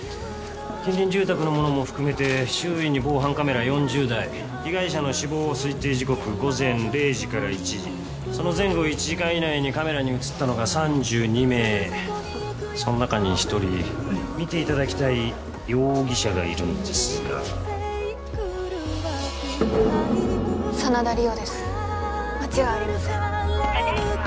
近隣住宅のものも含めて周囲に防犯カメラ４０台被害者の死亡推定時刻午前０時から１時その前後１時間以内にカメラに写ったのが３２名その中に１人見ていただきたい容疑者がいるんですが真田梨央です間違いありません